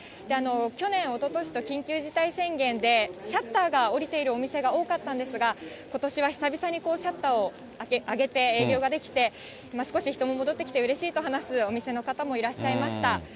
去年、おととしと緊急事態宣言でシャッターが下りているお店が多かったんですが、ことしは久々にシャッターを上げて、営業ができて、少し人も戻ってきてうれしいと話すお店の方もいらっしゃいました。